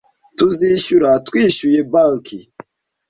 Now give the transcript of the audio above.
Tuzishyura twishyuye banki